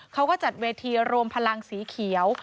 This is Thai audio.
เขาก็จัดเวทีรวมพลังสีเขียว